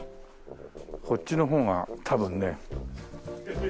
こっちの方が多分ね。